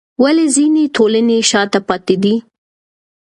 ولې ځینې ټولنې شاته پاتې دي؟